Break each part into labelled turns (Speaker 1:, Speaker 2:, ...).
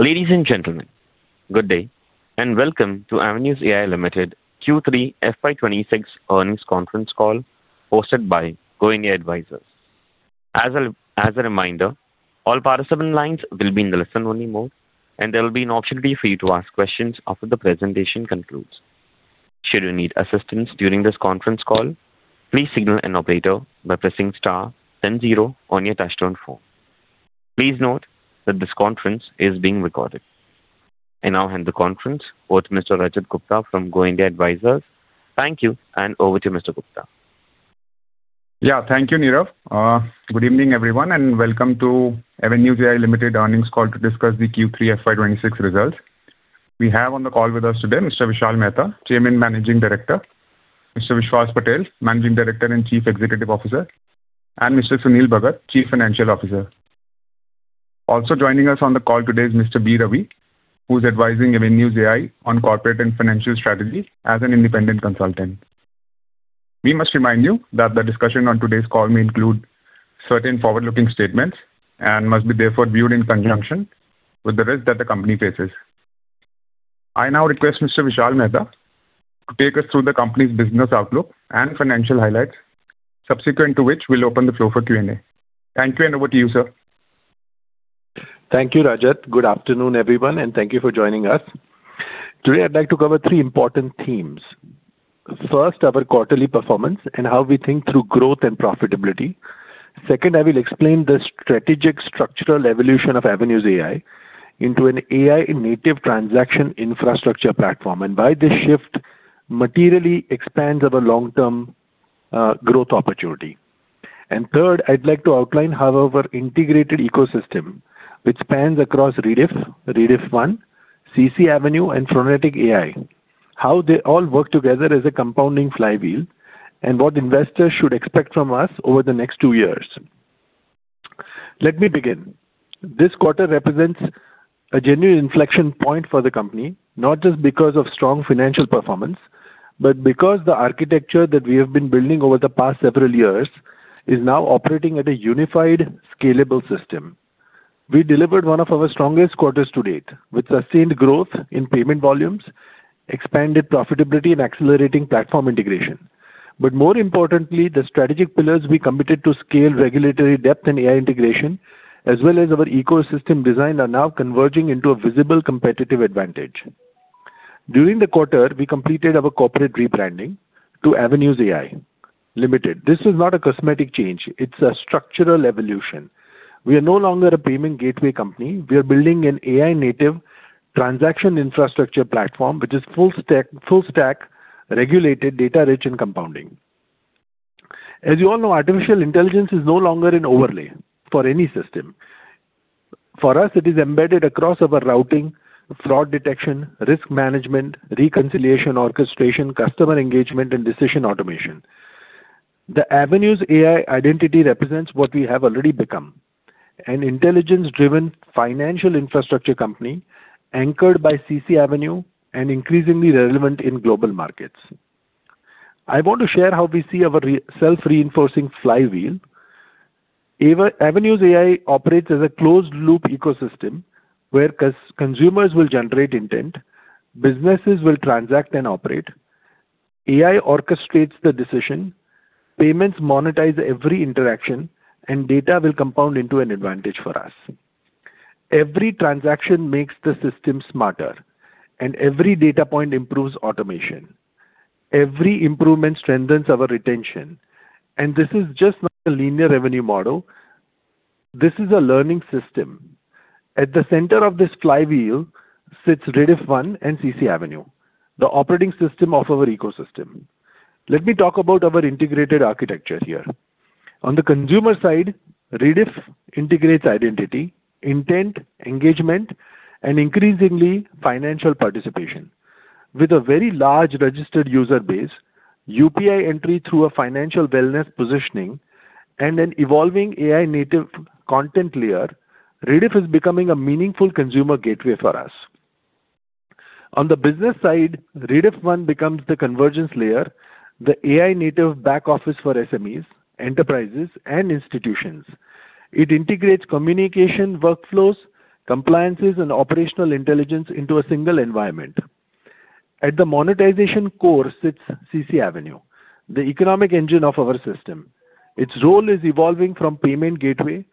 Speaker 1: Ladies and gentlemen, good day, and welcome to AvenuesAI Limited Q3 FY 2026 earnings conference call, hosted by Go India Advisors. As a reminder, all participant lines will be in the listen-only mode, and there will be an option for you to ask questions after the presentation concludes. Should you need assistance during this conference call, please signal an operator by pressing star, then zero on your touchtone phone. Please note that this conference is being recorded. I now hand the conference over to Mr. Rajat Gupta from Go India Advisors. Thank you, and over to you, Mr. Gupta.
Speaker 2: Yeah. Thank you, Nirav. Good evening, everyone, and welcome to AvenuesAI Limited earnings call to discuss the Q3 FY 2026 results. We have on the call with us today Mr. Vishal Mehta, Chairman and Managing Director, Mr. Vishwas Patel, Managing Director and Chief Executive Officer, and Mr. Sunil Bhagat, Chief Financial Officer. Also joining us on the call today is Mr. B. Ravi, who's advising AvenuesAI on corporate and financial strategy as an independent consultant. We must remind you that the discussion on today's call may include certain forward-looking statements and must be therefore viewed in conjunction with the risk that the company faces. I now request Mr. Vishal Mehta to take us through the company's business outlook and financial highlights, subsequent to which we'll open the floor for Q&A. Thank you, and over to you, sir.
Speaker 3: Thank you, Rajat. Good afternoon, everyone, and thank you for joining us. Today, I'd like to cover three important themes. First, our quarterly performance and how we think through growth and profitability. Second, I will explain the strategic structural evolution of AvenuesAI into an AI-native transaction infrastructure platform, and why this shift materially expands our long-term, growth opportunity. And third, I'd like to outline how our integrated ecosystem, which spans across Rediff, Rediff One, CCAvenue, and Phronetic.AI, how they all work together as a compounding flywheel and what investors should expect from us over the next two years. Let me begin. This quarter represents a genuine inflection point for the company, not just because of strong financial performance, but because the architecture that we have been building over the past several years is now operating at a unified, scalable system. We delivered one of our strongest quarters to date, with sustained growth in payment volumes, expanded profitability, and accelerating platform integration. But more importantly, the strategic pillars we committed to scale, regulatory depth, and AI integration, as well as our ecosystem design, are now converging into a visible competitive advantage. During the quarter, we completed our corporate rebranding to AvenuesAI Limited. This is not a cosmetic change. It's a structural evolution. We are no longer a payment gateway company. We are building an AI-native transaction infrastructure platform, which is full stack, full stack, regulated, data-rich, and compounding. As you all know, artificial intelligence is no longer an overlay for any system. For us, it is embedded across our routing, fraud detection, risk management, reconciliation, orchestration, customer engagement, and decision automation. The AvenuesAI identity represents what we have already become: an intelligence-driven financial infrastructure company anchored by CCAvenue and increasingly relevant in global markets. I want to share how we see our self-reinforcing flywheel. AvenuesAI operates as a closed-loop ecosystem where consumers will generate intent, businesses will transact and operate, AI orchestrates the decision, payments monetize every interaction, and data will compound into an advantage for us. Every transaction makes the system smarter, and every data point improves automation. Every improvement strengthens our retention, and this is just not a linear revenue model. This is a learning system. At the center of this flywheel sits Rediff One and CCAvenue, the operating system of our ecosystem. Let me talk about our integrated architecture here. On the consumer side, Rediff integrates identity, intent, engagement, and increasingly financial participation. With a very large registered user base, UPI entry through a financial wellness positioning, and an evolving AI-native content layer, Rediff is becoming a meaningful consumer gateway for us. On the business side, Rediff One becomes the convergence layer, the AI-native back office for SMEs, enterprises, and institutions. It integrates communication, workflows, compliances, and operational intelligence into a single environment. At the monetization core sits CCAvenue, the economic engine of our system. Its role is evolving from payment gateway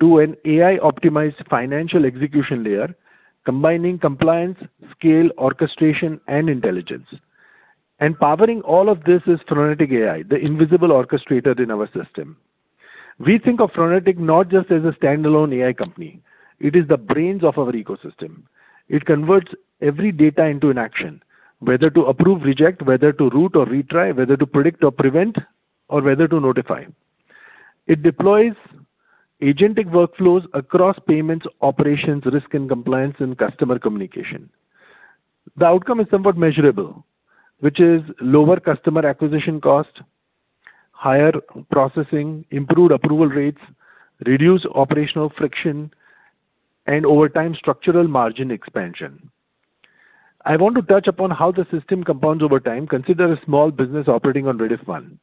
Speaker 3: to an AI-optimized financial execution layer, combining compliance, scale, orchestration, and intelligence. And powering all of this is Phronetic AI, the invisible orchestrator in our system. We think of Phronetic not just as a standalone AI company. It is the brains of our ecosystem. It converts every data into an action, whether to approve, reject, whether to route or retry, whether to predict or prevent, or whether to notify. It deploys agentic workflows across payments, operations, risk and compliance, and customer communication. The outcome is somewhat measurable, which is lower customer acquisition cost, higher processing, improved approval rates, reduced operational friction, and over time, structural margin expansion. I want to touch upon how the system compounds over time. Consider a small business operating on Rediff One.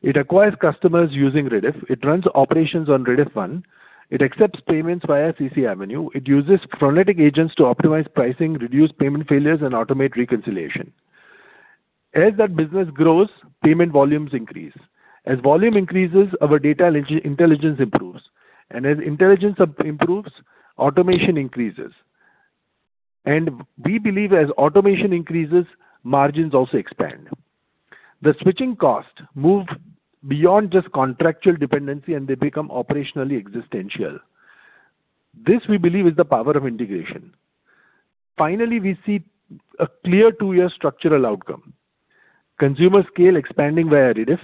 Speaker 3: It acquires customers using Rediff. It runs operations on Rediff One. It accepts payments via CCAvenue. It uses Phronetic agents to optimize pricing, reduce payment failures, and automate reconciliation. As that business grows, payment volumes increase. As volume increases, our data intelligence improves, and as intelligence improves, automation increases. And we believe as automation increases, margins also expand. The switching costs move beyond just contractual dependency, and they become operationally existential. This, we believe, is the power of integration. Finally, we see a clear two-year structural outcome. Consumer scale expanding via Rediff,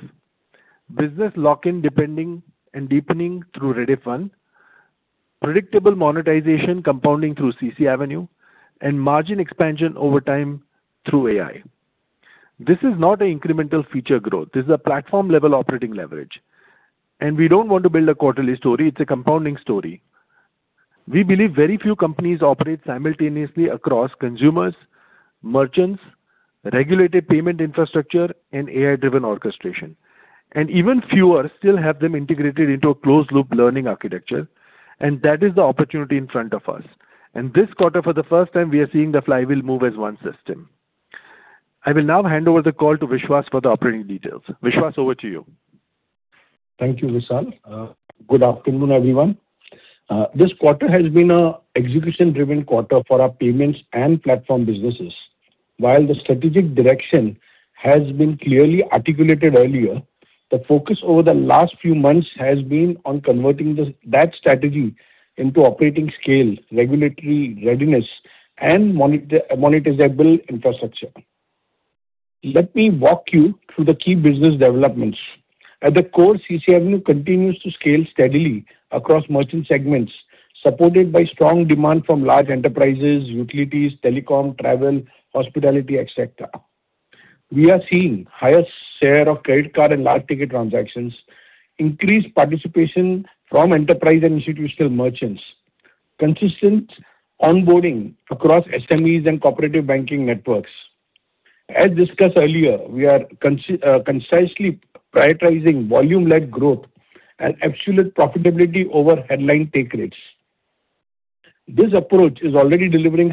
Speaker 3: business lock-in, depending and deepening through Rediff One, predictable monetization compounding through CCAvenue, and margin expansion over time through AI. This is not an incremental feature growth. This is a platform-level operating leverage. We don't want to build a quarterly story. It's a compounding story. We believe very few companies operate simultaneously across consumers, merchants, regulated payment infrastructure, and AI-driven orchestration. Even fewer still have them integrated into a closed-loop learning architecture, and that is the opportunity in front of us. This quarter, for the first time, we are seeing the flywheel move as one system. I will now hand over the call to Vishwas for the operating details. Vishwas, over to you.
Speaker 4: Thank you, Vishal. Good afternoon, everyone. This quarter has been an execution-driven quarter for our payments and platform businesses. While the strategic direction has been clearly articulated earlier, the focus over the last few months has been on converting that strategy into operating scale, regulatory readiness, and monetizable infrastructure. Let me walk you through the key business developments. At the core, CCAvenue continues to scale steadily across merchant segments, supported by strong demand from large enterprises, utilities, telecom, travel, hospitality, et cetera. We are seeing higher share of credit card and large ticket transactions, increased participation from enterprise and institutional merchants, consistent onboarding across SMEs and cooperative banking networks. As discussed earlier, we are concisely prioritizing volume-led growth and absolute profitability over headline take rates. This approach is already delivering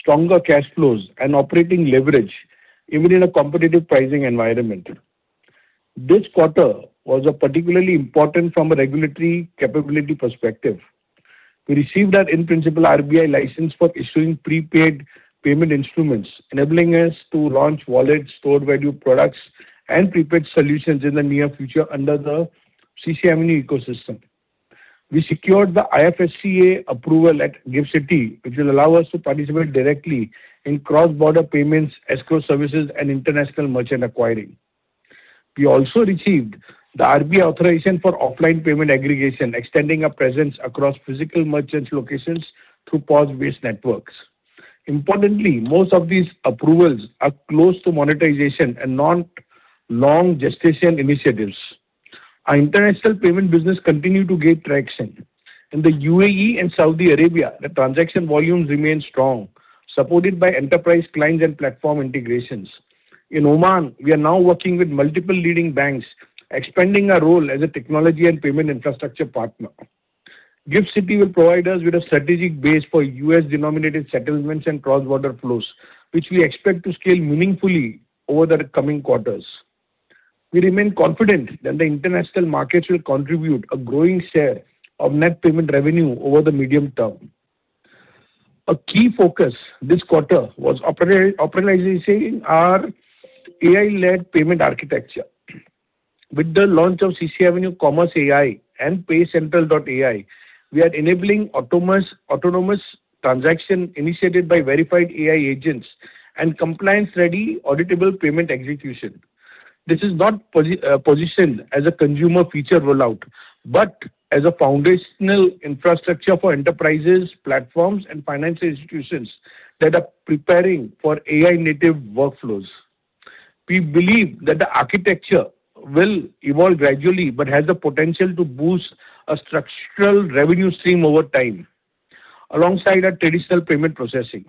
Speaker 4: stronger cash flows and operating leverage, even in a competitive pricing environment. This quarter was particularly important from a regulatory capability perspective. We received our in-principle RBI license for issuing prepaid payment instruments, enabling us to launch wallet stored-value products and prepaid solutions in the near future under the CCAvenue ecosystem. We secured the IFSCA approval at GIFT City, which will allow us to participate directly in cross-border payments, escrow services, and international merchant acquiring. We also received the RBI authorization for offline payment aggregation, extending our presence across physical merchant locations through POS-based networks. Importantly, most of these approvals are close to monetization and not long gestation initiatives. Our international payment business continued to gain traction. In the UAE and Saudi Arabia, the transaction volumes remained strong, supported by enterprise clients and platform integrations. In Oman, we are now working with multiple leading banks, expanding our role as a technology and payment infrastructure partner. GIFT City will provide us with a strategic base for U.S.-denominated settlements and cross-border flows, which we expect to scale meaningfully over the coming quarters. We remain confident that the international markets will contribute a growing share of net payment revenue over the medium term. A key focus this quarter was optimizing our AI-led payment architecture. With the launch of CCAvenue Commerce AI and PayCentral.ai, we are enabling autonomous transaction initiation by verified AI agents and compliance-ready, auditable payment execution. This is not positioned as a consumer feature rollout, but as a foundational infrastructure for enterprises, platforms, and financial institutions that are preparing for AI-native workflows. We believe that the architecture will evolve gradually, but has the potential to boost a structural revenue stream over time, alongside our traditional payment processing.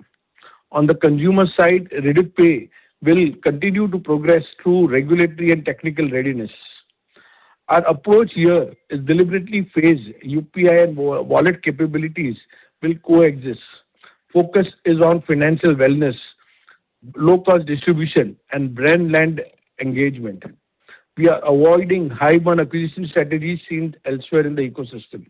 Speaker 4: On the consumer side, RediffPay will continue to progress through regulatory and technical readiness. Our approach here is deliberately phased. UPI and wallet capabilities will coexist. Focus is on financial wellness, low-cost distribution, and brand-led engagement. We are avoiding high burn acquisition strategies seen elsewhere in the ecosystem.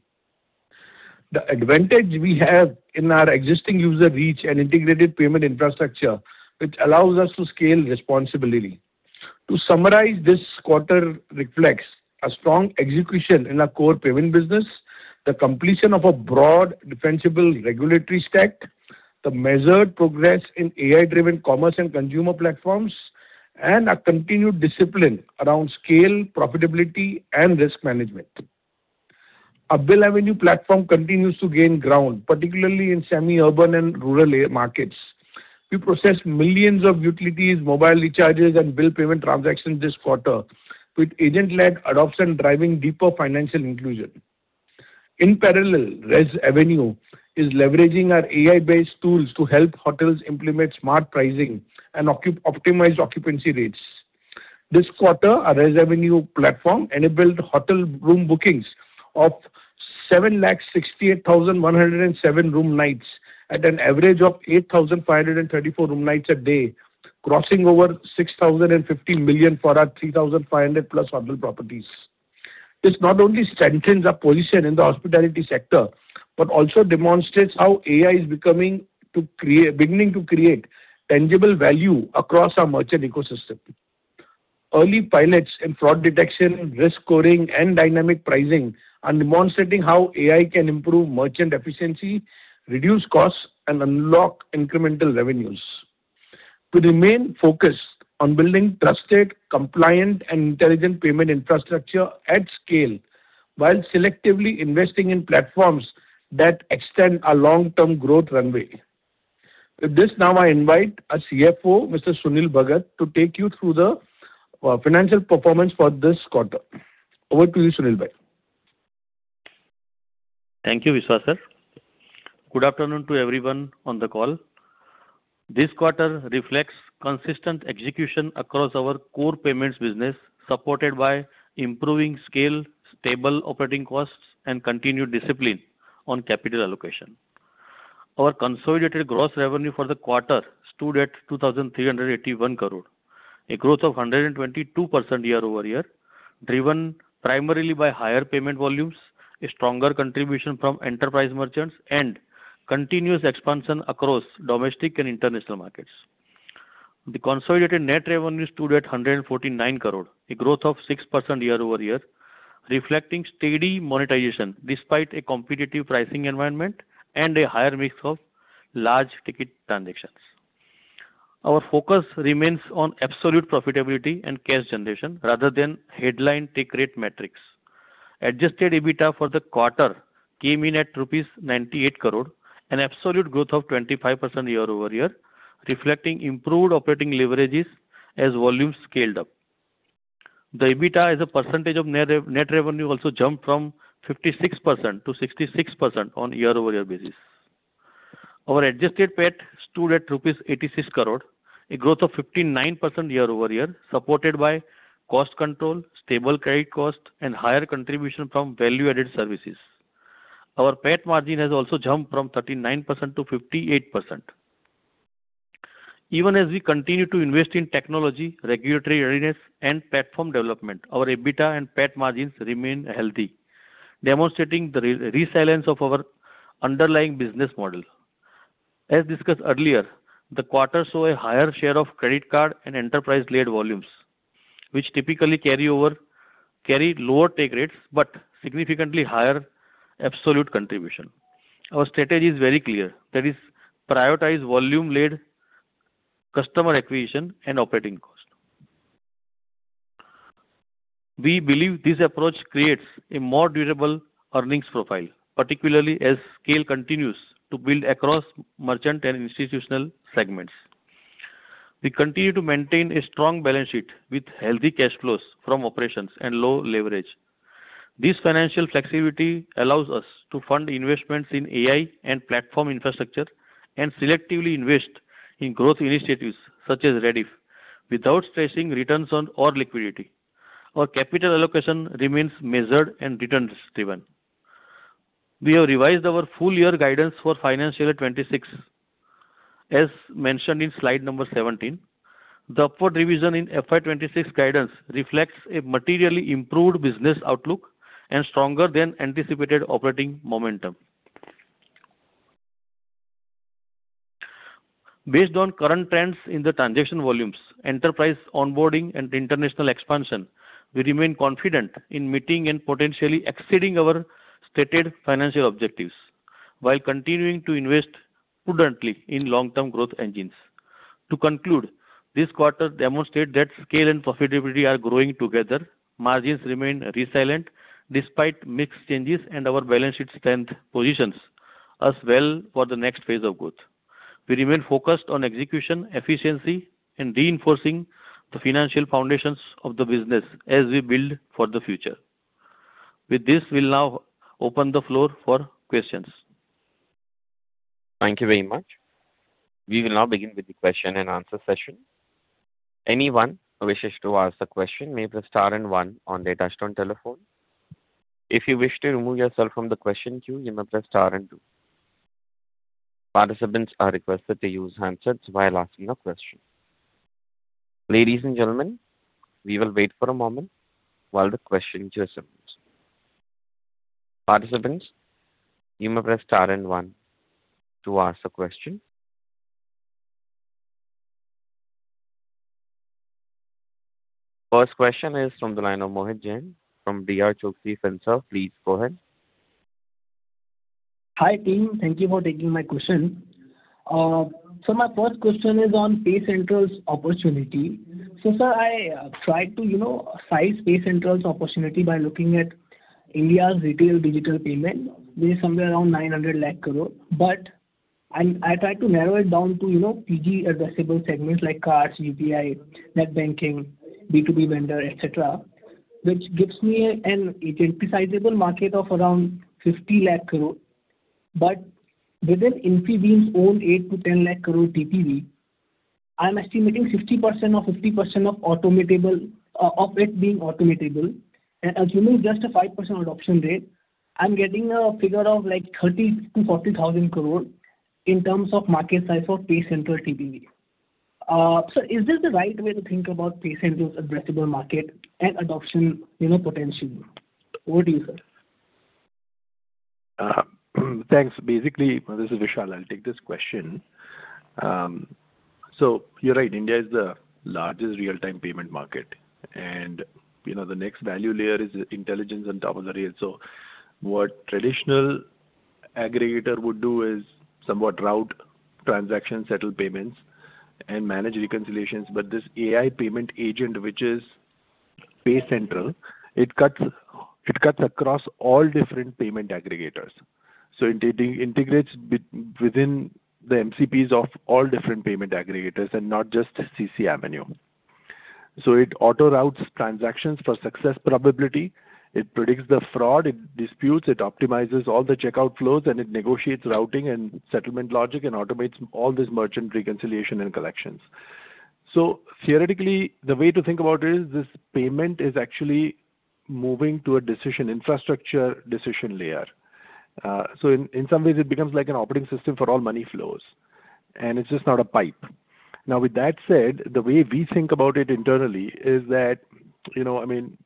Speaker 4: The advantage we have in our existing user reach and integrated payment infrastructure, which allows us to scale responsibly. To summarize, this quarter reflects a strong execution in our core payment business, the completion of a broad, defensible regulatory stack, the measured progress in AI-driven commerce and consumer platforms, and a continued discipline around scale, profitability, and risk management. Our BillAvenue platform continues to gain ground, particularly in semi-urban and rural area markets. We processed millions of utilities, mobile recharges, and bill payment transactions this quarter, with agent-led adoption driving deeper financial inclusion. In parallel, ResAvenue is leveraging our AI-based tools to help hotels implement smart pricing and optimize occupancy rates. This quarter, our ResAvenue platform enabled hotel room bookings of 768,107 room nights, at an average of 8,534 room nights a day, crossing over 6,050 million for our 3,500+ hotel properties. This not only strengthens our position in the hospitality sector, but also demonstrates how AI is beginning to create tangible value across our merchant ecosystem. Early pilots in fraud detection, risk scoring, and dynamic pricing are demonstrating how AI can improve merchant efficiency, reduce costs, and unlock incremental revenues. We remain focused on building trusted, compliant, and intelligent payment infrastructure at scale, while selectively investing in platforms that extend our long-term growth runway. With this, now I invite our CFO, Mr. Sunil Bhagat, to take you through the financial performance for this quarter. Over to you, Sunil Bhai.
Speaker 5: Thank you, Vishwas, sir. Good afternoon to everyone on the call. This quarter reflects consistent execution across our core payments business, supported by improving scale, stable operating costs, and continued discipline on capital allocation. Our consolidated gross revenue for the quarter stood at 2,381 crore, a growth of 122% year-over-year, driven primarily by higher payment volumes, a stronger contribution from enterprise merchants, and continuous expansion across domestic and international markets. The consolidated net revenue stood at 149 crore, a growth of 6% year-over-year, reflecting steady monetization despite a competitive pricing environment and a higher mix of large ticket transactions. Our focus remains on absolute profitability and cash generation rather than headline take rate metrics. Adjusted EBITDA for the quarter came in at rupees 98 crore, an absolute growth of 25% year-over-year, reflecting improved operating leverages as volumes scaled up. The EBITDA as a percentage of net revenue also jumped from 56% to 66% on year-over-year basis. Our adjusted PAT stood at rupees 86 crore, a growth of 59% year-over-year, supported by cost control, stable credit cost, and higher contribution from value-added services. Our PAT margin has also jumped from 39% to 58%. Even as we continue to invest in technology, regulatory readiness, and platform development, our EBITDA and PAT margins remain healthy, demonstrating the resilience of our underlying business model. As discussed earlier, the quarter saw a higher share of credit card and enterprise-led volumes, which typically carry lower take rates, but significantly higher absolute contribution. Our strategy is very clear that is, prioritize volume-led customer acquisition and operating cost. We believe this approach creates a more durable earnings profile, particularly as scale continues to build across merchant and institutional segments. We continue to maintain a strong balance sheet with healthy cash flows from operations and low leverage. This financial flexibility allows us to fund investments in AI and platform infrastructure, and selectively invest in growth initiatives such as Rediff, without stressing returns on or liquidity. Our capital allocation remains measured and returns driven. We have revised our full year guidance for financial year 2026, as mentioned in slide number 17. The upward revision in FY 2026 guidance reflects a materially improved business outlook and stronger than anticipated operating momentum. Based on current trends in the transaction volumes, enterprise onboarding, and international expansion, we remain confident in meeting and potentially exceeding our stated financial objectives, while continuing to invest prudently in long-term growth engines. To conclude, this quarter demonstrate that scale and profitability are growing together. Margins remain resilient despite mixed changes, and our balance sheet strength positions us well for the next phase of growth. We remain focused on execution, efficiency, and reinforcing the financial foundations of the business as we build for the future. With this, we'll now open the floor for questions.
Speaker 1: Thank you very much. We will now begin with the question and answer session. Anyone who wishes to ask a question may press star and one on their touchtone telephone. If you wish to remove yourself from the question queue, you may press star and two. Participants are requested to use handsets while asking a question. Ladies and gentlemen, we will wait for a moment while the question queue settles. Participants, you may press star and one to ask a question. First question is from the line of Mohit Jain from DRChoksey. Please go ahead.
Speaker 6: Hi, team. Thank you for taking my question. So my first question is on PayCentral's opportunity. So, sir, I tried to, you know, size PayCentral's opportunity by looking at India's retail digital payment, which is somewhere around 90,000,000 crore, and I tried to narrow it down to, you know, PG addressable segments like cards, UPI, net banking, B2B vendor, et cetera, which gives me an identifiable market of around 5,000,000 crore. But within Infibeam's own 800,000-1,000,000 crore TPV, I'm estimating 50% of it being automatable. And assuming just a 5% adoption rate, I'm getting a figure of, like, 30,000-40,000 crore in terms of market size for PayCentral TPV. So is this the right way to think about PayCentral's addressable market and adoption, you know, potential? What do you say?
Speaker 3: Thanks. Basically, this is Vishal. I'll take this question. So you're right, India is the largest real-time payment market, and, you know, the next value layer is intelligence on top of the rail. So what traditional aggregator would do is somewhat route transactions, settle payments, and manage reconciliations. But this AI payment agent, which is PayCentral, it cuts across all different payment aggregators. So it integrates within the MCPs of all different payment aggregators and not just CCAvenue. So it auto-routes transactions for success probability, it predicts the fraud, it disputes, it optimizes all the checkout flows, and it negotiates routing and settlement logic, and automates all this merchant reconciliation and collections. So theoretically, the way to think about it is this payment is actually moving to a decision infrastructure, decision layer. So in some ways it becomes like an operating system for all money flows, and it's just not a pipe. Now, with that said, the way we think about it internally is that, you know, I mean,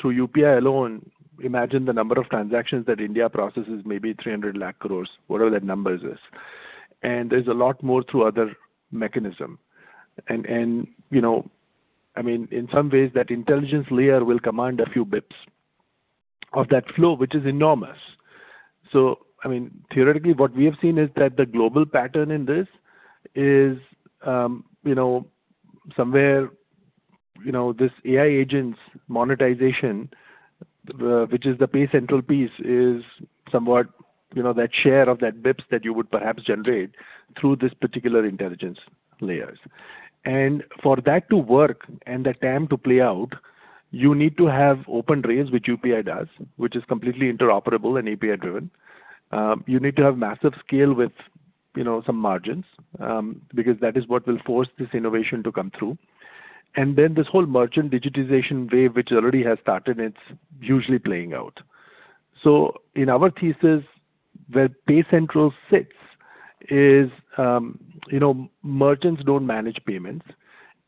Speaker 3: through UPI alone, imagine the number of transactions that India processes, maybe 30,000,000 crore, whatever that number is. And there's a lot more through other mechanism. And you know, I mean, in some ways that intelligence layer will command a few bps of that flow, which is enormous. So I mean, theoretically, what we have seen is that the global pattern in this is, you know, somewhere, you know, this AI agent's monetization, which is the PayCentral piece, is somewhat, you know, that share of that bps that you would perhaps generate through this particular intelligence layers. And for that to work and the TAM to play out, you need to have open rails, which UPI does, which is completely interoperable and API-driven. You need to have massive scale with, you know, some margins, because that is what will force this innovation to come through. And then this whole merchant digitization wave, which already has started, it's usually playing out. So in our thesis, where PayCentral sits is, you know, merchants don't manage payments.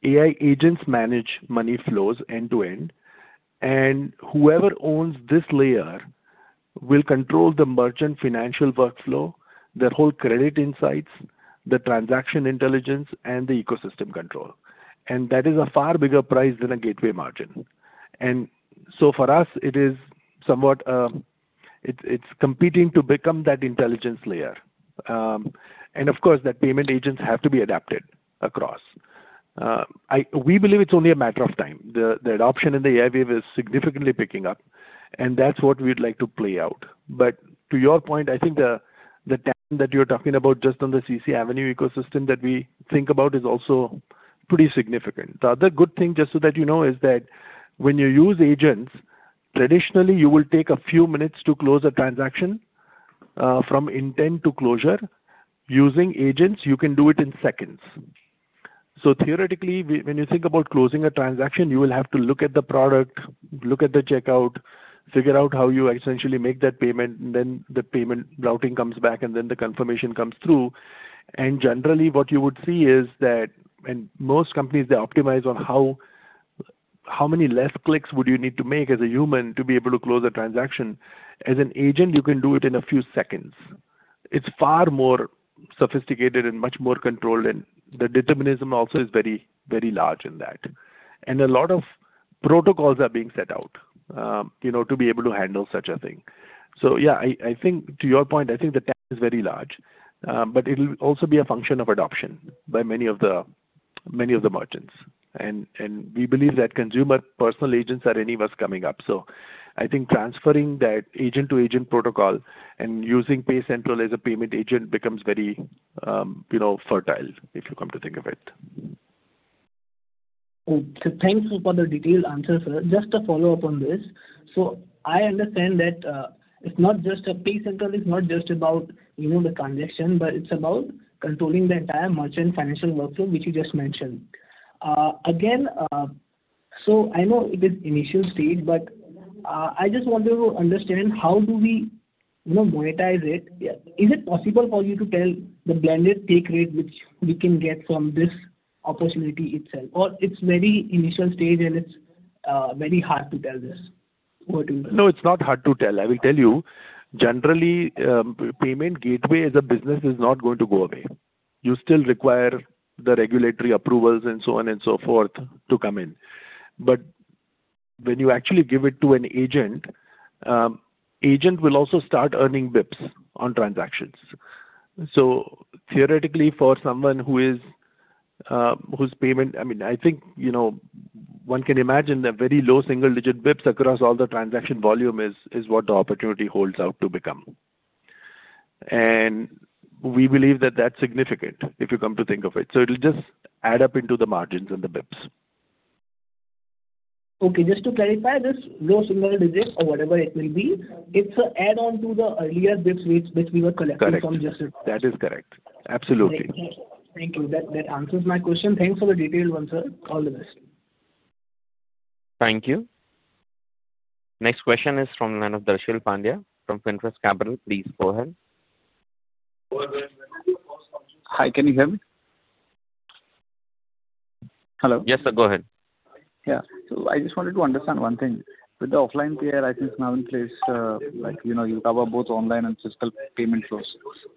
Speaker 3: AI agents manage money flows end-to-end, and whoever owns this layer will control the merchant financial workflow, their whole credit insights, the transaction intelligence, and the ecosystem control. And that is a far bigger prize than a gateway margin. And so for us, it is somewhat. It's competing to become that intelligence layer. And of course, that payment agents have to be adapted across. We believe it's only a matter of time. The adoption in the AI wave is significantly picking up, and that's what we'd like to play out. But to your point, I think the TAM that you're talking about just on the CCAvenue ecosystem that we think about is also pretty significant. The other good thing, just so that you know, is that when you use agents, traditionally, you will take a few minutes to close a transaction. From intent to closure, using agents, you can do it in seconds. So theoretically, when you think about closing a transaction, you will have to look at the product, look at the checkout, figure out how you essentially make that payment, and then the payment routing comes back, and then the confirmation comes through. Generally, what you would see is that, and most companies, they optimize on how many less clicks would you need to make as a human to be able to close a transaction. As an agent, you can do it in a few seconds. It's far more sophisticated and much more controlled, and the determinism also is very, very large in that. And a lot of protocols are being set out, you know, to be able to handle such a thing. So yeah, I think to your point, I think the TAM is very large, but it'll also be a function of adoption by many of the, many of the merchants. And we believe that consumer personal agents are any of us coming up. So I think transferring that agent-to-agent protocol and using PayCentral as a payment agent becomes very, you know, fertile, if you come to think of it.
Speaker 6: So thanks for the detailed answer, sir. Just a follow-up on this. So I understand that it's not just PayCentral, it's not just about, you know, the transaction, but it's about controlling the entire merchant financial workflow, which you just mentioned. Again, so I know it is initial stage, but I just want to understand how do we, you know, monetize it? Yeah. Is it possible for you to tell the blended take rate which we can get from this opportunity itself, or it's very initial stage and it's very hard to tell this? What do you?
Speaker 3: No, it's not hard to tell. I will tell you. Generally, payment gateway as a business is not going to go away. You still require the regulatory approvals and so on and so forth to come in. But when you actually give it to an agent, agent will also start earning basis points on transactions. So theoretically, for someone whose payment, I mean, I think, you know, one can imagine that very low single-digit basis points across all the transaction volume is, is what the opportunity holds out to become. And we believe that that's significant, if you come to think of it. So it'll just add up into the margins and the basis points.
Speaker 6: Okay, just to clarify, this low single digits or whatever it will be, it's an add-on to the earlier bps rates which we were collecting from just.
Speaker 3: Correct. That is correct. Absolutely.
Speaker 6: Thank you. That, that answers my question. Thanks for the detailed answer. All the best.
Speaker 1: Thank you. Next question is from the line of Darshil Pandya from Finterest Capital. Please go ahead.
Speaker 7: Hi, can you hear me? Hello?
Speaker 1: Yes, sir, go ahead.
Speaker 7: Yeah. So I just wanted to understand one thing. With the offline PPI, I think now in place, like, you know, you cover both online and physical payment flows.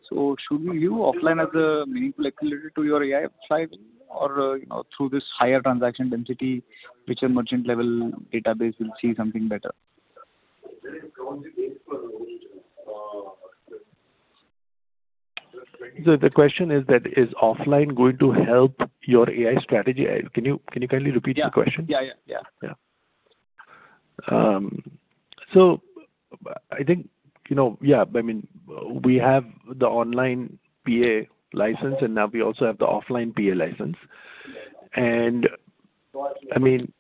Speaker 7: So should we view offline as a meaningful activity to your AI side or, you know, through this higher transaction density, which a merchant-level database will see something better?
Speaker 3: So the question is that, is offline going to help your AI strategy? Can you, can you kindly repeat the question?
Speaker 7: Yeah. Yeah, yeah.
Speaker 3: Yeah. So I think, you know, yeah, I mean, we have the online PA license, and now we also have the offline PA license. I mean,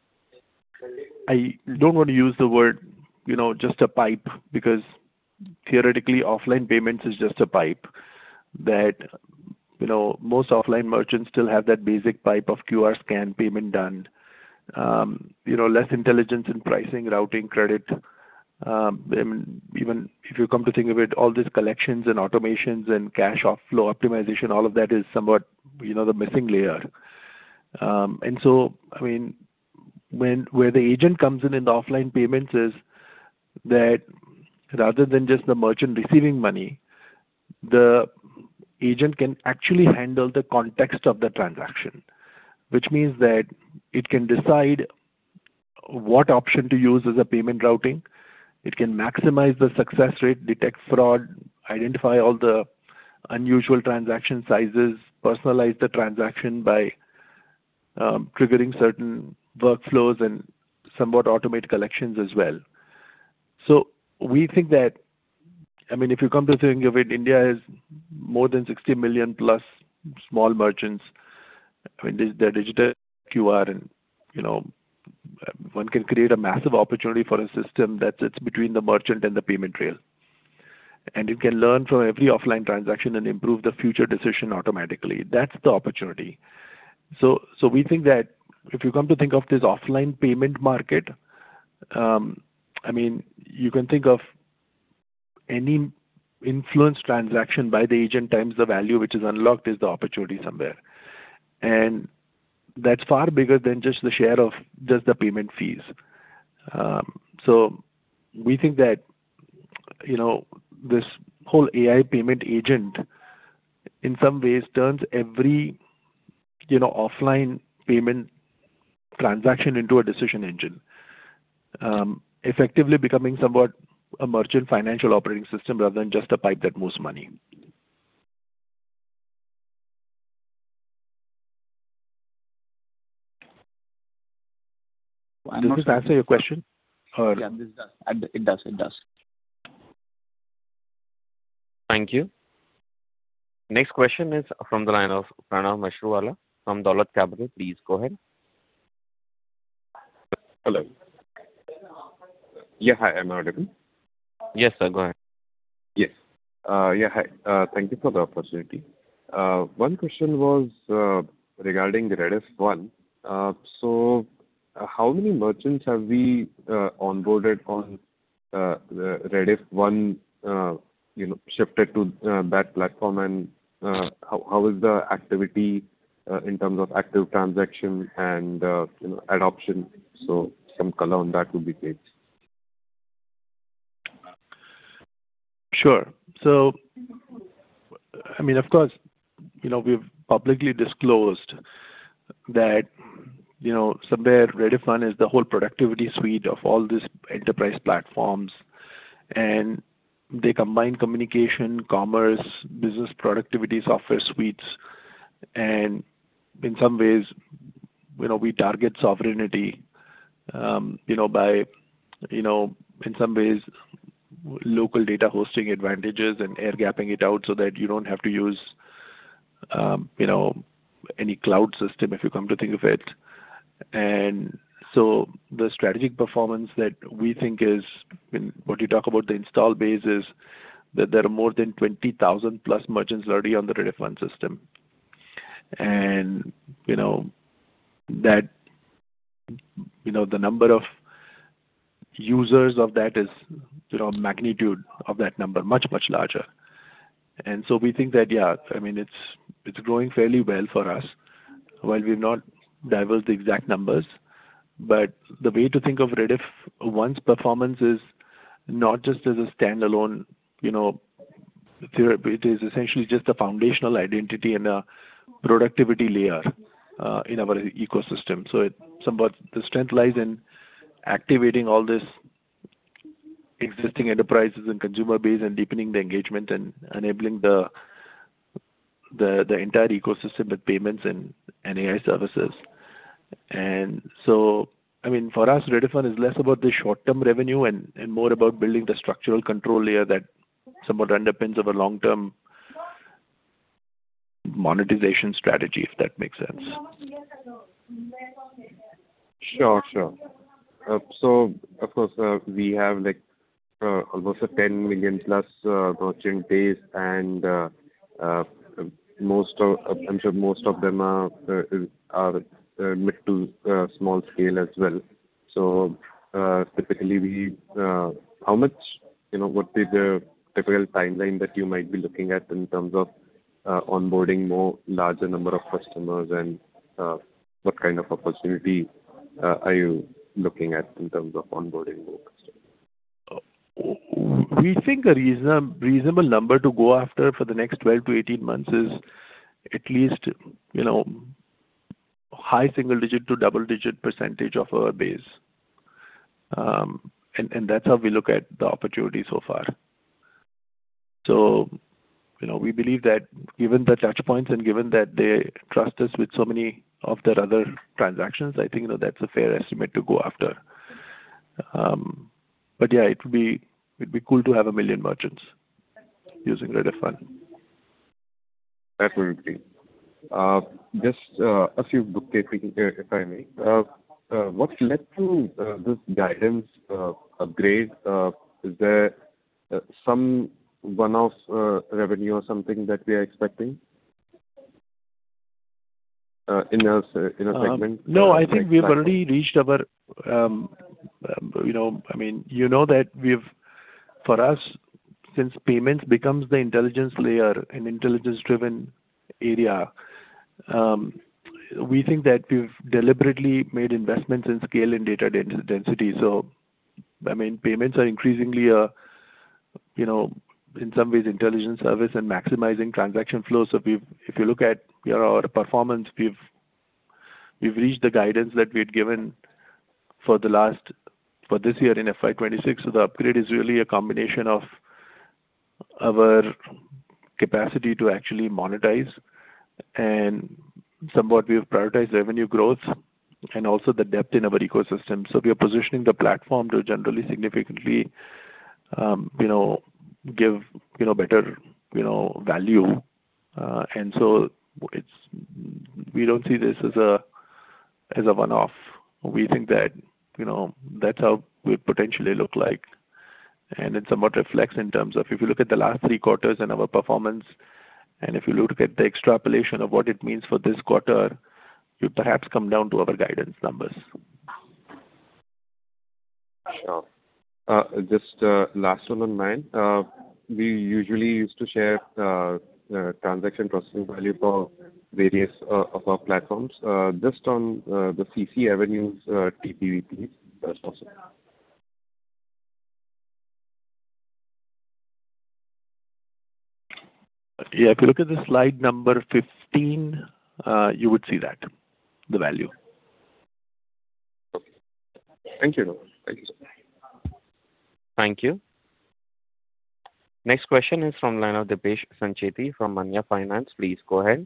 Speaker 3: I don't want to use the word, you know, just a pipe, because theoretically, offline payments is just a pipe that, you know, most offline merchants still have that basic pipe of QR scan payment done. You know, less intelligence in pricing, routing, credit. I mean, even if you come to think of it, all these collections and automations and cash flow optimization, all of that is somewhat, you know, the missing layer. And so, I mean, where the agent comes in, in the offline payments is that rather than just the merchant receiving money. The agent can actually handle the context of the transaction, which means that it can decide what option to use as a payment routing. It can maximize the success rate, detect fraud, identify all the unusual transaction sizes, personalize the transaction by triggering certain workflows and somewhat automate collections as well. So we think that, I mean, if you come to think of it, India is more than 60 million-plus small merchants. I mean, the digital QR and, you know, one can create a massive opportunity for a system that sits between the merchant and the payment trail. And it can learn from every offline transaction and improve the future decision automatically. That's the opportunity. We think that if you come to think of this offline payment market, I mean, you can think of any influence transaction by the agent times the value which is unlocked, is the opportunity somewhere. And that's far bigger than just the share of just the payment fees. We think that, you know, this whole AI payment agent, in some ways turns every, you know, offline payment transaction into a decision engine, effectively becoming somewhat a merchant financial operating system rather than just a pipe that moves money. Did this answer your question or?
Speaker 7: Yeah, it does. It does, it does.
Speaker 1: Thank you. Next question is from the line of Pranav Mashruwala from Dolat Capital. Please go ahead.
Speaker 8: Hello. Yeah. Hi, am I audible?
Speaker 1: Yes, sir, go ahead.
Speaker 8: Yes. Yeah, hi. Thank you for the opportunity. One question was regarding the Rediff One. So how many merchants have we onboarded on the Rediff One, you know, shifted to that platform? And how is the activity in terms of active transaction and, you know, adoption? So some color on that would be great.
Speaker 3: Sure. So, I mean, of course, you know, we've publicly disclosed that, you know, somewhere Rediff One is the whole productivity suite of all these enterprise platforms, and they combine communication, commerce, business productivity, software suites, and in some ways, you know, we target sovereignty, you know, by, you know, in some ways, local data hosting advantages and air gapping it out so that you don't have to use, you know, any cloud system, if you come to think of it. And so the strategic performance that we think is, when you talk about the install base, is that there are more than 20,000+ merchants already on the Rediff One system. And, you know, that, you know, the number of users of that is, you know, magnitude of that number, much, much larger. And so we think that, yeah, I mean, it's, it's growing fairly well for us. While we've not divulged the exact numbers, but the way to think of Rediff One's performance is not just as a standalone, you know, entity, it is essentially just a foundational identity and a productivity layer in our ecosystem. So it's somewhat the strength lies in activating all this existing enterprises and consumer base and deepening the engagement and enabling the entire ecosystem with payments and AI services. And so, I mean, for us, Rediff One is less about the short-term revenue and more about building the structural control layer that somewhat underpins our long-term monetization strategy, if that makes sense.
Speaker 8: Sure, sure. So of course, we have, like, almost a 10 million plus merchant base, and most of I'm sure most of them are mid to small scale as well. So, typically we, how much, you know, what is the typical timeline that you might be looking at in terms of onboarding more larger number of customers? And what kind of opportunity are you looking at in terms of onboarding more customers?
Speaker 3: We think a reasonable number to go after for the next 12 to 18 months is at least, you know, high single-digit to double-digit % of our base. And that's how we look at the opportunity so far. So, you know, we believe that given the touch points and given that they trust us with so many of their other transactions, I think, you know, that's a fair estimate to go after. But yeah, it would be, it'd be cool to have 1 million merchants using Rediff One.
Speaker 8: Absolutely. Just a few bookkeeping, if I may. What led to this guidance upgrade? Is there some one-off revenue or something that we are expecting in your segment?
Speaker 3: No, I think we've already reached our, you know I mean, you know that we've for us, since payments becomes the intelligence layer, an intelligence-driven area, we think that we've deliberately made investments in scale and data density. So, I mean, payments are increasingly a, you know, in some ways, intelligence service and maximizing transaction flow. So we've if you look at, you know, our performance, we've, we've reached the guidance that we had given for the last for this year in FY 2026. So the upgrade is really a combination of our capacity to actually monetize, and somewhat we have prioritized revenue growth and also the depth in our ecosystem. So we are positioning the platform to generally, significantly, you know, give, you know, better, you know, value. And so it's we don't see this as a, as a one-off. We think that, you know, that's how we potentially look like. It somewhat reflects in terms of if you look at the last three quarters and our performance, and if you look at the extrapolation of what it means for this quarter, you perhaps come down to our guidance numbers.
Speaker 8: Sure. Just last one on mind. We usually used to share transaction processing value for various of our platforms. Just on the CCAvenue TPV, if that's possible.
Speaker 3: Yeah, if you look at the slide number 15, you would see that, the value.
Speaker 8: Okay. Thank you. Thank you, sir.
Speaker 1: Thank you. Next question is from line of Dipesh Sancheti from Manya Finance. Please go ahead.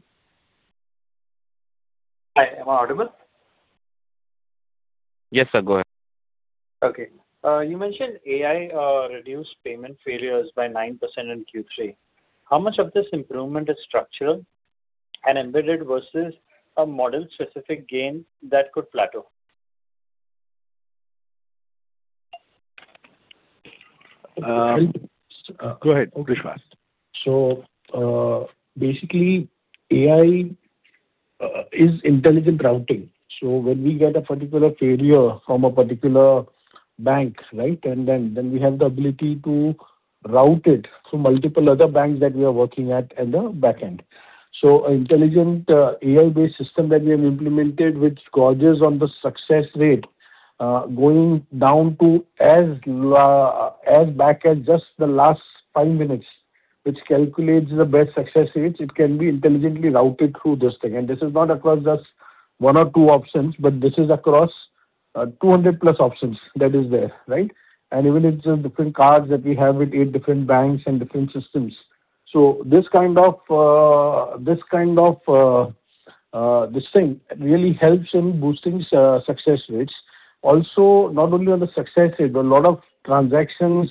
Speaker 9: Hi, am I audible?
Speaker 1: Yes, sir, go ahead.
Speaker 9: Okay. You mentioned AI reduced payment failures by 9% in Q3. How much of this improvement is structural and embedded versus a model-specific gain that could plateau?
Speaker 3: Go ahead, Vishwas.
Speaker 4: So, basically, AI is intelligent routing. So when we get a particular failure from a particular bank, right? And then, then we have the ability to route it through multiple other banks that we are working at in the back end. So an intelligent AI-based system that we have implemented, which gauges on the success rate, going down to as far back as just the last five minutes, which calculates the best success rates, it can be intelligently routed through this thing. And this is not across just one or two options, but this is across 200+ options that is there, right? And even it's different cards that we have with 8 different banks and different systems. So this kind of this kind of this thing really helps in boosting success rates. Also, not only on the success rate, a lot of transactions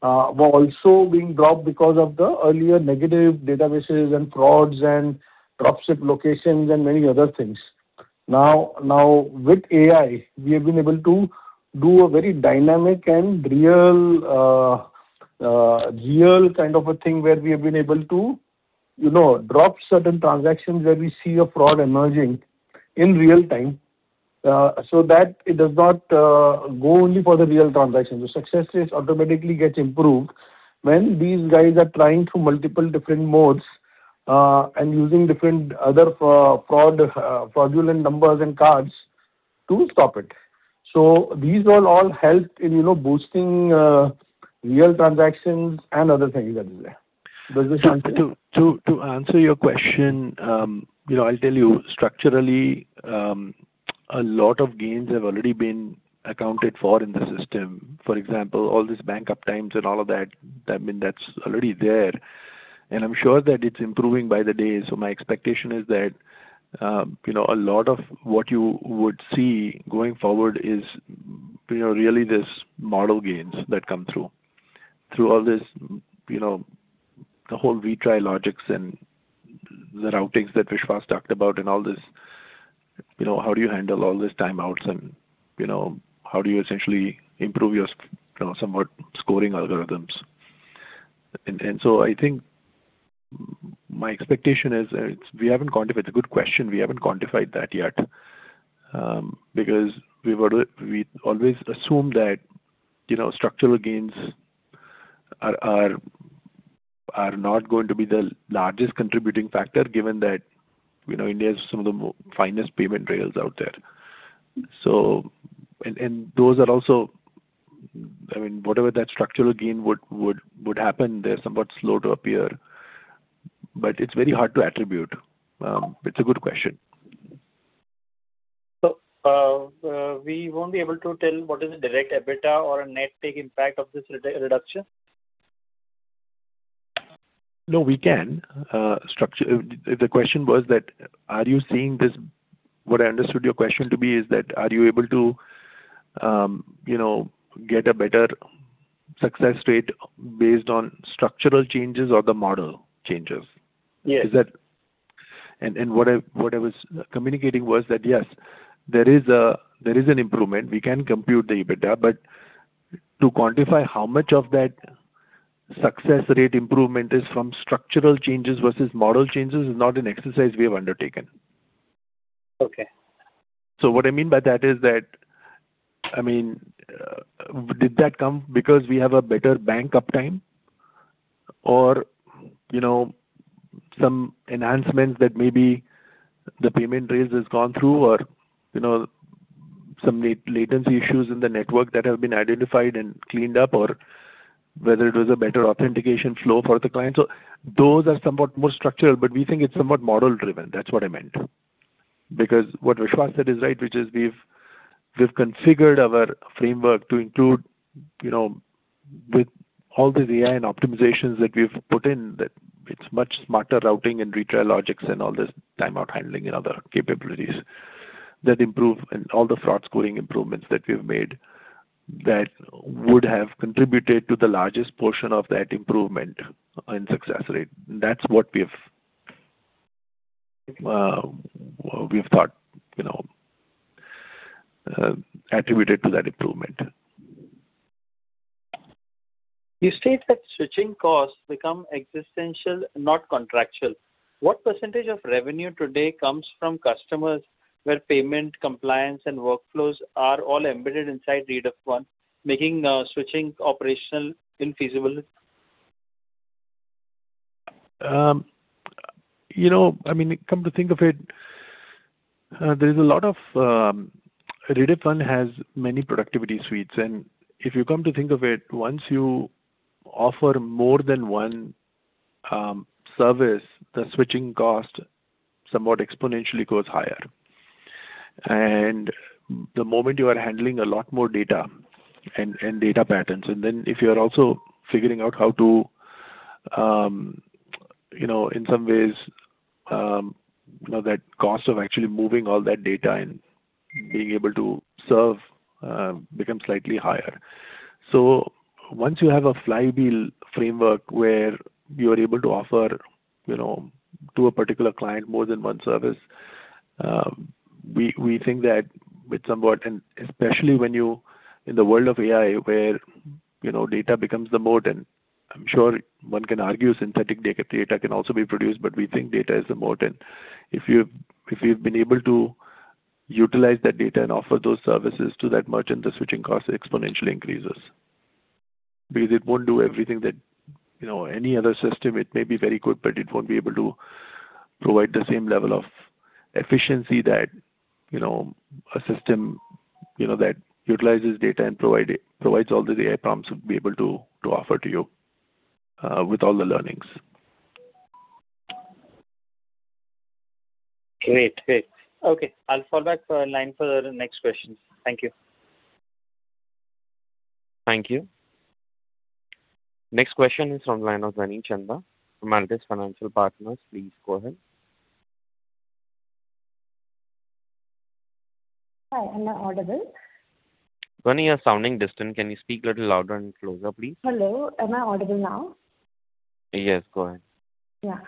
Speaker 4: were also being dropped because of the earlier negative databases and frauds and dropship locations and many other things. Now, with AI, we have been able to do a very dynamic and real real kind of a thing where we have been able to, you know, drop certain transactions where we see a fraud emerging in real time, so that it does not go only for the real transactions. The success rates automatically get improved when these guys are trying through multiple different modes and using different other fraud fraudulent numbers and cards to stop it. So these all helped in, you know, boosting real transactions and other things that is there.
Speaker 3: To answer your question, you know, I'll tell you structurally, a lot of gains have already been accounted for in the system. For example, all these bank uptimes and all of that, I mean, that's already there, and I'm sure that it's improving by the day. So my expectation is that, you know, a lot of what you would see going forward is, you know, really this model gains that come through. Through all this, you know, the whole retry logics and the routings that Vishwas talked about and all this, you know, how do you handle all these timeouts and, you know, how do you essentially improve your, you know, somewhat scoring algorithms? And so I think my expectation is that we haven't quantified. It's a good question. We haven't quantified that yet, because we always assumed that, you know, structural gains are not going to be the largest contributing factor, given that, you know, India has some of the most finest payment rails out there. So and those are also. I mean, whatever that structural gain would happen, they're somewhat slow to appear, but it's very hard to attribute. It's a good question.
Speaker 9: We won't be able to tell what is the direct EBITDA or a net take impact of this reduction?
Speaker 3: No, we can structure. If the question was that, are you seeing this, What I understood your question to be is that, are you able to, you know, get a better success rate based on structural changes or the model changes?
Speaker 9: Yes.
Speaker 3: Is that? What I was communicating was that, yes, there is an improvement. We can compute the EBITDA, but to quantify how much of that success rate improvement is from structural changes versus model changes is not an exercise we have undertaken.
Speaker 9: Okay.
Speaker 3: So what I mean by that is that, I mean, did that come because we have a better bank uptime or, you know, some enhancements that maybe the payment rails has gone through or, you know, some low-latency issues in the network that have been identified and cleaned up, or whether it was a better authentication flow for the client? So those are somewhat more structural, but we think it's somewhat model-driven. That's what I meant. Because what Vishwas said is right, which is we've configured our framework to include, you know, with all the AI and optimizations that we've put in, that it's much smarter routing and retry logics and all this timeout handling and other capabilities that improve and all the fraud scoring improvements that we've made, that would have contributed to the largest portion of that improvement and success rate. That's what we've thought, you know, attributed to that improvement.
Speaker 9: You state that switching costs become existential, not contractual. What percentage of revenue today comes from customers where payment, compliance, and workflows are all embedded inside Rediff, making switching operational infeasible?
Speaker 3: You know, I mean, come to think of it, there's a lot of Rediff has many productivity suites, and if you come to think of it, once you offer more than one service, the switching cost somewhat exponentially goes higher. And the moment you are handling a lot more data and data patterns, and then if you are also figuring out how to, you know, in some ways, you know, that cost of actually moving all that data and being able to serve becomes slightly higher. So once you have a flywheel framework where you are able to offer, you know, to a particular client more than one service, we think that it's somewhat. Especially when you, in the world of AI, where, you know, data becomes the moat, and I'm sure one can argue synthetic data, data can also be produced, but we think data is a moat. And if you've been able to utilize that data and offer those services to that merchant, the switching cost exponentially increases. Because it won't do everything that, you know, any other system, it may be very good, but it won't be able to provide the same level of efficiency that, you know, a system, you know, that utilizes data and provide it, provides all the AI prompts would be able to offer to you with all the learnings.
Speaker 9: Great. Great. Okay, I'll fall back to line for the next question. Thank you.
Speaker 1: Thank you. Next question is from the line of Vani Chanda from Altus Financial Partners. Please go ahead.
Speaker 10: Hi, am I audible?
Speaker 1: Vani, you're sounding distant. Can you speak a little louder and closer, please?
Speaker 10: Hello, am I audible now?
Speaker 1: Yes, go ahead.
Speaker 10: Yeah.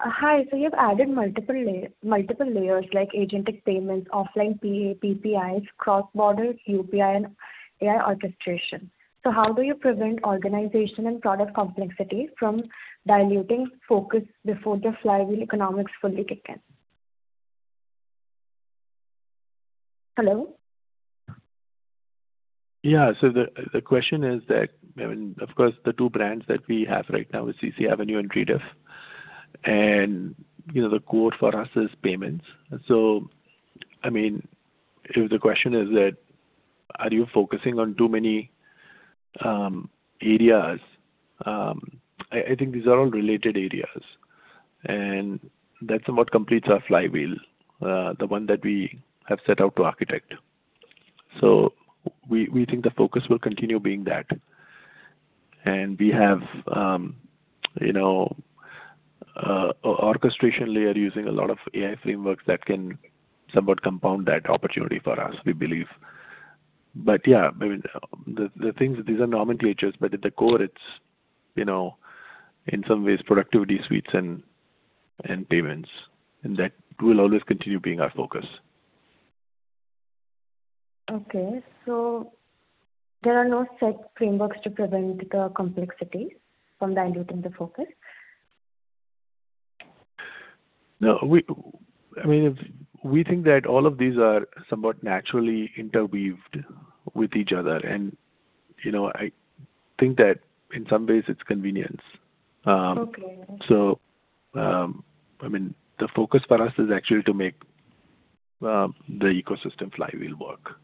Speaker 10: Hi. So you've added multiple layers like agentic payments, offline POS, PPIs, cross-border UPI, and AI orchestration. So how do you prevent organization and product complexity from diluting focus before the flywheel economics fully kick in? Hello?
Speaker 3: Yeah. So the question is that, I mean, of course, the two brands that we have right now is CCAvenue and Rediff. And, you know, the core for us is payments. So, I mean, if the question is that, are you focusing on too many areas? I think these are all related areas, and that somewhat completes our flywheel, the one that we have set out to architect. So we think the focus will continue being that. And we have, you know, orchestration layer using a lot of AI frameworks that can somewhat compound that opportunity for us, we believe. But yeah, I mean, the things, these are nomenclatures, but at the core it's, you know, in some ways productivity suites and payments, and that will always continue being our focus.
Speaker 10: Okay. So there are no set frameworks to prevent the complexities from diluting the focus?
Speaker 3: No, we, I mean, if we think that all of these are somewhat naturally interweaved with each other, and, you know, I think that in some ways it's convenience.
Speaker 10: Okay.
Speaker 3: I mean, the focus for us is actually to make the ecosystem flywheel work.